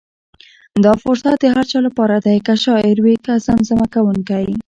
دا فرصت د هر چا لپاره دی، که شاعر وي که زمزمه کوونکی.